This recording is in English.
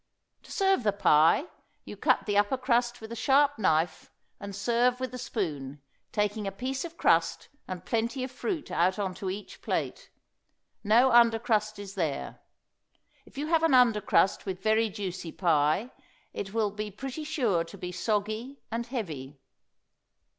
To serve the pie, you cut the upper crust with a sharp knife, and serve with a spoon, taking a piece of crust and plenty of fruit out on each plate. No under crust is there. If you have an under crust with very juicy pie it will be pretty sure to be soggy and heavy.